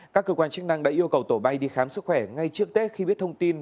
các cơ quan chức năng đã yêu cầu tổ bay đi khám sức khỏe ngay trước tết khi biết thông tin